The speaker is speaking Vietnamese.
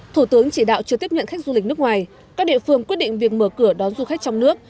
thủ tướng chỉ đạo chưa tiếp nhận khách du lịch nước ngoài các địa phương quyết định việc mở cửa đón du khách trong nước